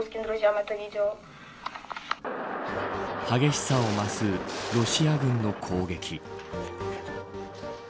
激しさを増すロシア軍の攻撃。